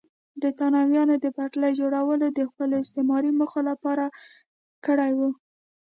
برېټانویانو د پټلۍ جوړول د خپلو استعماري موخو لپاره کړي وو.